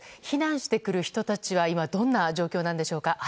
避難してくる人たちは今どんな状況なのでしょうか。